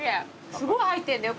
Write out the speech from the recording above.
すごい入ってんだよ。